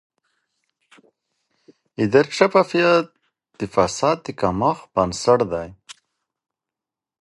اداري شفافیت د فساد د کمښت بنسټ دی